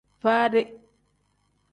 Baadi.